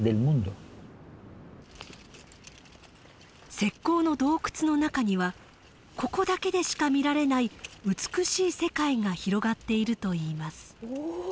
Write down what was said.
石こうの洞窟の中にはここだけでしか見られない美しい世界が広がっているといいます。